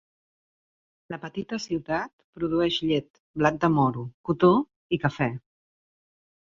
La petita ciutat produeix llet, blat de moro, cotó i cafè.